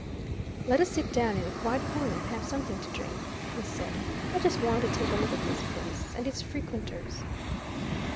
"Let us sit down in a quiet corner and have something to drink," he said. "I just want to take a look at this place and its frequenters."